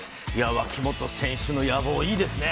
脇本選手の野望、いいですね。